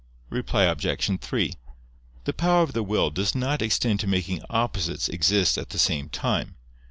Reply Obj. 3: The power of the will does not extend to making opposites exist at the same time.